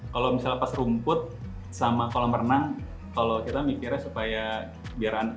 kalau misalnya pas rumput sama kolam renang kalau kita mikirnya supaya biar anak